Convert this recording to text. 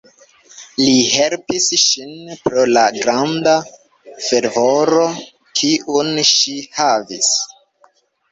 Li helpis ŝin pro la granda fervoro kiun ŝi havis.